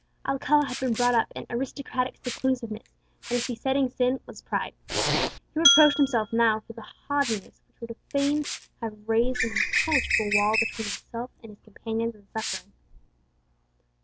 Alcala had been brought up in aristocratic seclusiveness, and his besetting sin was pride. He reproached himself now for the selfish haughtiness which would fain have raised an impenetrable wall between himself and his companions in suffering.